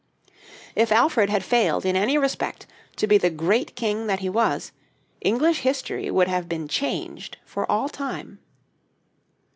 If Alfred had failed in any respect to be the great king that he was, English history would have been changed for all time.